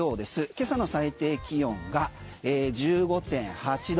今朝の最低気温が１５．８度。